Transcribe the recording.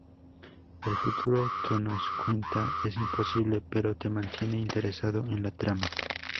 El futuro que nos cuenta es imposible, pero te mantiene interesado en la trama.